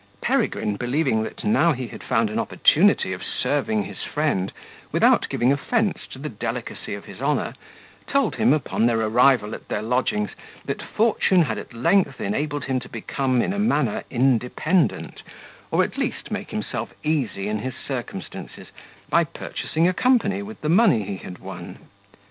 Peregrine, believing that now he had found an opportunity of serving his friend, without giving offence to the delicacy of his honour, told him, upon their arrival at their lodgings, that fortune had at length enabled him to become in a manner independent, or at least make himself easy in his circumstances, by purchasing a company with the money he had won.